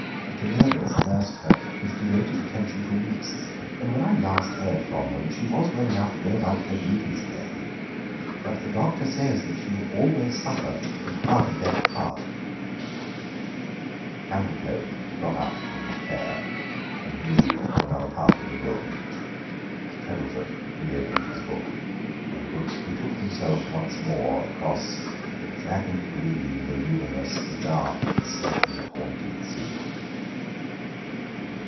The Ninevehs nursed her with devoted attention for weeks, and when I last heard from them she was well enough to go about her duties again, but the doctor says she will always suffer from Hagenbeck heart." Amblecope got up from his chair and moved to another part of the room. Treddleford reopened his book and betook himself once more across The dragon green, the luminous, the dark, the serpent haunted sea.